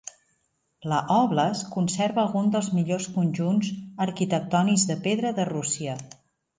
La óblast conserva alguns dels millors conjunts arquitectònics de pedra de Rússia.